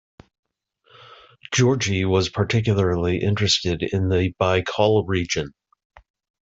Georgi was particularly interested in the Baikal region.